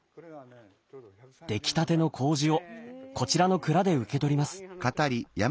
出来たてのこうじをこちらの蔵で受け取ります。